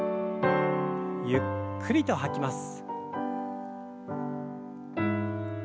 ゆっくりと吐きます。